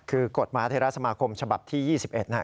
คือกฎมาธรรมชมฉบับที่๒๑นะ